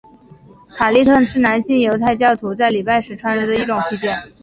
塔利特是男性犹太教徒在礼拜时穿着的一种披肩。